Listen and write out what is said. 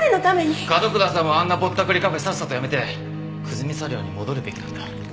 角倉さんはあんなぼったくりカフェさっさとやめて久住茶寮に戻るべきなんだ。